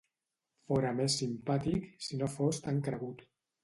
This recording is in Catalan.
Fora més simpàtic si no fos tan cregut.